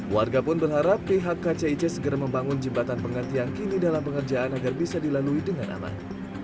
warga pun berharap pihak kcic segera membangun jembatan pengganti yang kini dalam pengerjaan agar bisa dilalui dengan aman